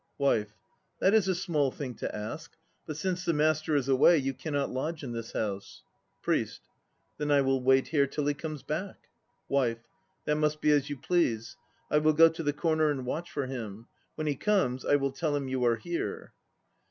WIFE. That is a small thing to ask. But since the master is away, you cannot lodge in this house. PRIEST. Then I will wait here till he comes back. WIFE. That must be as you please. I will go to the corner and watch for him. When he comes I will tell him you are here.